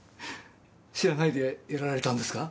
知らないでやられたんですか？